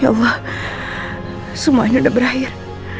ya allah semuanya udah berakhir